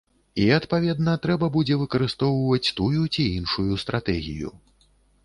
І, адпаведна, трэба будзе выкарыстоўваць тую ці іншую стратэгію.